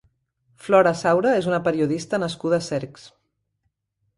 Flora Saura és una periodista nascuda a Cercs.